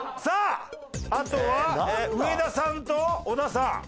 さああとは上田さんと小田さん。